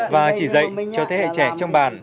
và chỉ dạy cho thế hệ trẻ trong bản